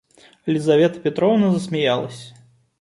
Лизавета Петровна засмеялась.